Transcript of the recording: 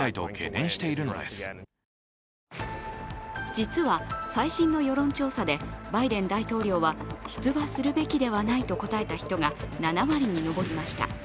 実は、最新の世論調査でバイデン大統領は出馬するべきではないと答えた人が７割に上りました。